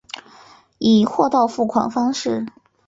以货到付款方式